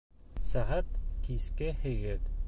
Сәғәт киске һигеҙ